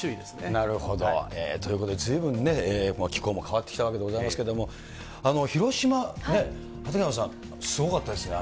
なるほど。ということで、ずいぶん気候も変わってきたわけでございますけれども、広島ね、畠山さん、すごかったですね、雨。